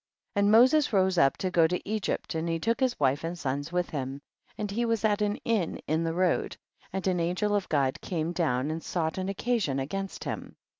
8. And Moses rose up to go to Egypt, and he took his wife and sons with him, and he was at an inn in the road, and an angel of God came down, and sought an occasion against him.